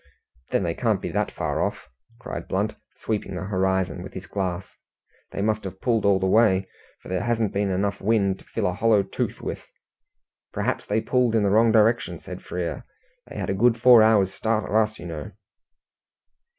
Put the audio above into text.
"Then they can't be far off," cried Blunt, sweeping the horizon with his glass. "They must have pulled all the way, for there hasn't been enough wind to fill a hollow tooth with." "Perhaps they pulled in the wrong direction," said Frere. "They had a good four hours' start of us, you know."